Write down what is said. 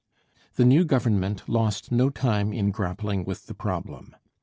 The new Government lost no time in grappling with the problem.